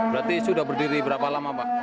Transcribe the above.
berarti sudah berdiri berapa lama pak